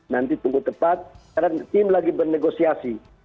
nanti tunggu tepat karena tim lagi bernegosiasi